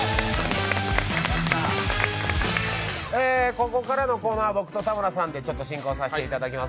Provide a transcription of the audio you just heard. ここからのコーナーは僕と田村さんで進行させていただきます。